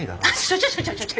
ちょちょちょちょ。